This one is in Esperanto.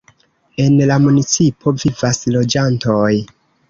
En la municipo vivas loĝantoj.